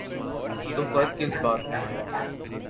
تو فرق کس بات میں ہے؟